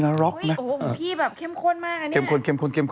จากธนาคารกรุงเทพฯ